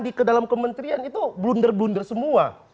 di ke dalam kementerian itu blunder blunder semua